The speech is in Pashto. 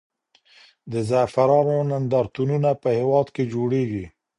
د زعفرانو نندارتونونه په هېواد کې جوړېږي.